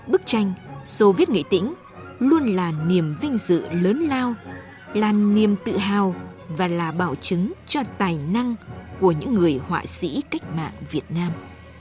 bức tranh soviet nghệ tĩnh luôn là niềm vinh dự lớn lao là niềm tự hào và là bảo chứng cho tài năng của những người họa sĩ cách mạng việt nam